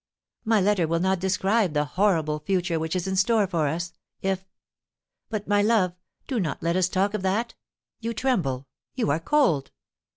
My letter will not describe the horrible future which is in store for us, if But, my love, do not let us talk of that. You tremble, you are cold."